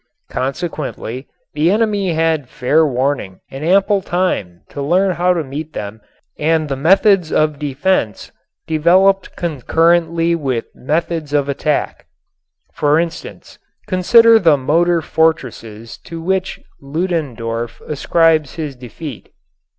Consequently the enemy had fair warning and ample time to learn how to meet them and methods of defense developed concurrently with methods of attack. For instance, consider the motor fortresses to which Ludendorff ascribes his defeat.